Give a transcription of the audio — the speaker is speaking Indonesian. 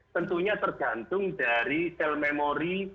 tentunya tergantung dari sel memori